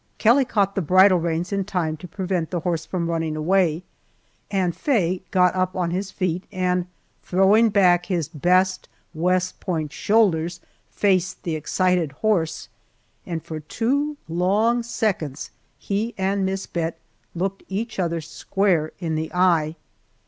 Kelly caught the bridle reins in time to prevent the horse from running away, and Faye got up on his feet, and throwing back his best West Point shoulders, faced the excited horse, and for two long seconds he and Miss Bet looked each other square in the eye.